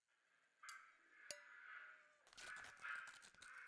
Deska byla do značné míry inspirována tvorbou Boba Dylana a skupiny The Band.